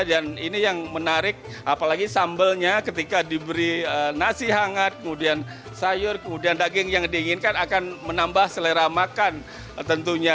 dan ini yang menarik apalagi sambalnya ketika diberi nasi hangat kemudian sayur kemudian daging yang diinginkan akan menambah selera makan tentunya